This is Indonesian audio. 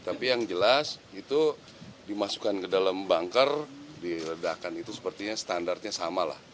tapi yang jelas itu dimasukkan ke dalam banker diledakan itu sepertinya standarnya sama lah